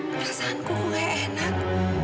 masa aku gak enak